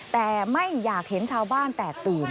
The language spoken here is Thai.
แต่ไม่อยากเห็นชาวบ้านแตกตื่น